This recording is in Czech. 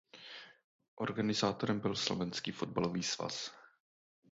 Organizátorem byl Slovenský fotbalový svaz.